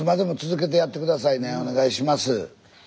お願いします。